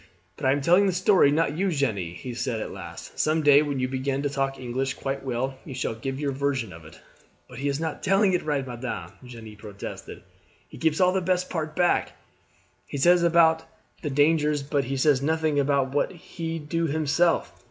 "But I am telling the story, not you, Jeanne," he said at last. "Some day when you begin to talk English quite well you shall give your version of it." "But he is not telling it right, madame," Jeanne protested, "he keeps all the best part back. He says about the dangers, but he says noting about what he do himself."